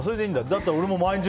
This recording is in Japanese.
だったら俺も毎日。